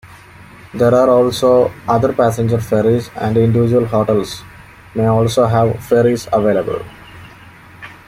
There are also other passenger ferries and individual hotels may also have ferries available.